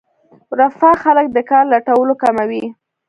رفاه خلک د کار لټولو کموي.